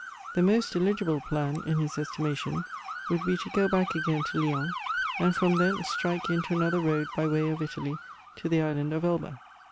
The most eligible plan in his estimation would be to go back again to Lyons, and from thence strike into another road by way of Italy to the island of Elba.